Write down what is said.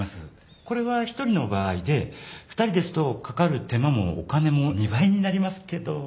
これは１人の場合で２人ですと掛かる手間もお金も２倍になりますけど。